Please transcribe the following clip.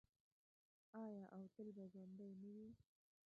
آیا او تل به ژوندی نه وي؟